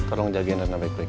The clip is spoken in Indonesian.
tolong jagain dan baik baik